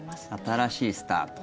新しいスタート。